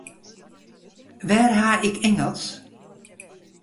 Wêr ha ik Ingelsk?